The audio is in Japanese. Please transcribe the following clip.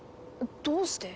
どうして？